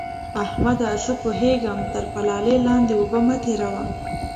احمده! زه پوهېږم؛ تر پلالې لاندې اوبه مه تېروه.